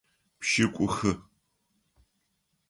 Пшӏыкӏухы.